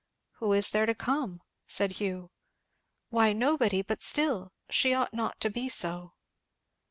"Who is there to come?" said Hugh. "Why nobody; but still, she ought not to be so."